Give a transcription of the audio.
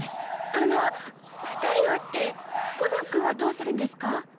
あの「２人は」ってコナン君はどうするんですか？